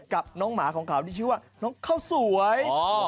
กับน้องหมาของเขาที่ชื่อว่าน้องข้าวสวย